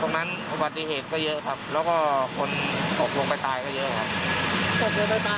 อุบัติเหตุก็เยอะครับแล้วก็คนตกลงไปตายก็เยอะครับ